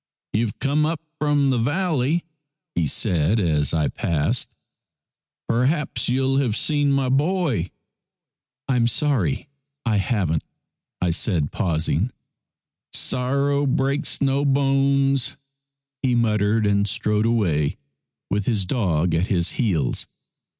"You've come up from the valley," he said as I passed ;" perhaps you'll have seen my boy?" 104 SHEPHERD'S BOY 105 " I'm sorry, I haven't," I said, pausing. "Sorrow breaks no bones," he muttered, and strode away with his dog at his heels.